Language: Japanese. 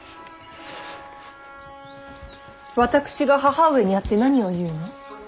私が義母上に会って何を言うの？